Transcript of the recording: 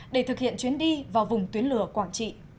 để thực hiện chuyến đi vào vùng tuyến lửa quảng trị